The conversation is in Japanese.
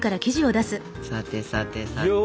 さてさてさて。